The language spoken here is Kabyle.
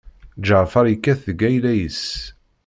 Ǧaɛfeṛ yekkat deg ayla-is.